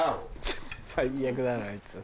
最悪だなあいつ。